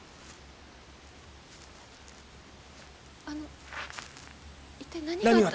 あの一体何が。